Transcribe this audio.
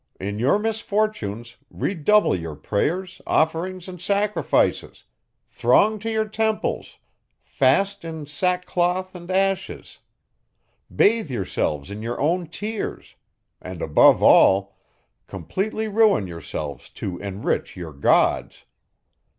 In your misfortunes, redouble your prayers, offerings, and sacrifices; throng to your temples; fast in sack cloth and ashes; bathe yourselves in your own tears; and above all, completely ruin yourselves to enrich your gods!